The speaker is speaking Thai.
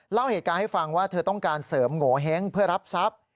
เล่าเหตุการณ์ให้ฟังว่าเธอต้องการเสริมโงเห้งเพื่อรับทรัพย์